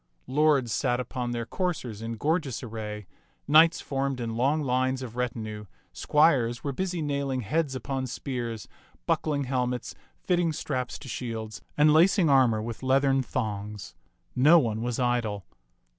Lords sat upon their coursers in gorgeous array, knights formed in long lines of retinue, squires were busy nailing heads upon spears, buckling hel mets, fitting straps to shields, and lacing armor with leathern thongs ; no one was idle.